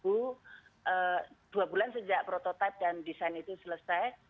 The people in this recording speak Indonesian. dua bulan sejak prototipe dan desain itu selesai